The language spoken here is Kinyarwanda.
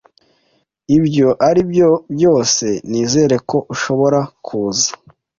Ibyo ari byo byose, nizere ko ushobora kuza.